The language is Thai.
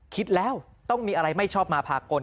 คิดแล้วต้องมีอะไรไม่ชอบมาพากล